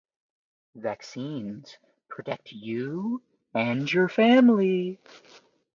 Vaccines protect you and your family.